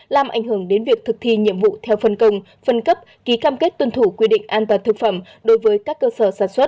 làm ảnh hưởng đến việc thực thi nhiệm vụ theo phân công phân cấp ký cam kết tuân thủ quy định an toàn thực phẩm đối với các cơ sở sản xuất